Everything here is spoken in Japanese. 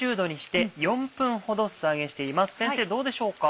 先生どうでしょうか。